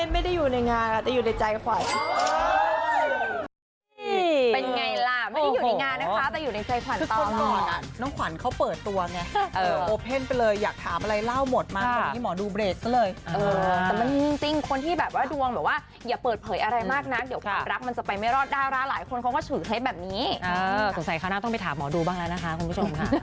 ไม่ได้อยู่ในงานแต่อยู่ในใจขวัญ